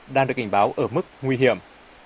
đang được cảnh báo ở mức nguy hiểm